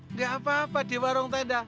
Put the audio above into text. nggak apa apa di warung tenda